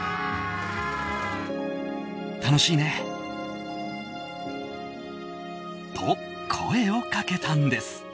楽しいね。と、声をかけたんです。